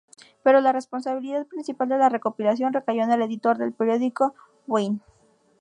Pero la responsabilidad principal de la recopilación recayó en el editor del periódico, Gwynne.